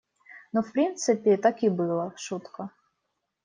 Ну, в принципе, так и было — шутка.